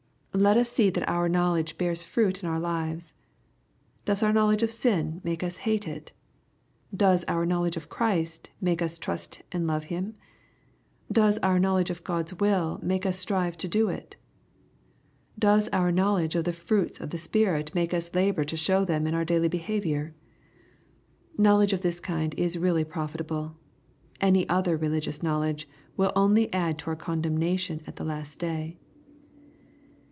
Let ns see that oni knowledge bears fruit in our lives. Does our knowledge of sin make us aate it ? Does our knowledge of Christ make us trust and love Him ? Does our knowledge of God's will make us strive to do it ? Does our knowledge of the fruits of the Spirit make us labor to show them in our daily behavior ? Knowledge of this kind is really profitable. Any other religious knowledge will only add to our condemnation at the last day.